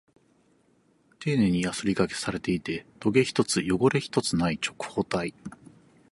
丁寧にヤスリ掛けされていて、トゲ一つ、汚れ一つない直方体。